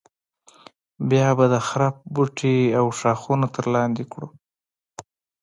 بیا به د خرپ بوټي او ښاخونه تر لاندې کړو.